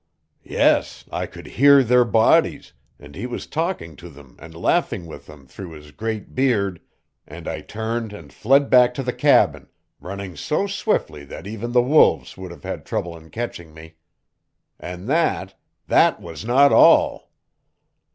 Yes, I could HEAR their bodies, and he was talking to them and laughing with them through his great beard and I turned and fled back to the cabin, running so swiftly that even the wolves would have had trouble in catching me. And that that WAS NOT ALL!"